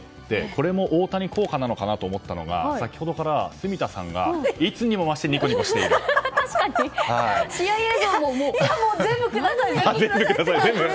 これも大谷効果なのかなと思ったのが先ほどから住田さんがいつにも増して全部ください！